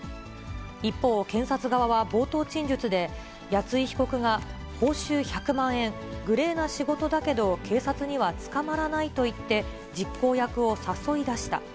一方、検察側は冒頭陳述で、谷井被告が、報酬１００万円、グレーな仕事だけど警察には捕まらないと言って、実行役を誘い出した。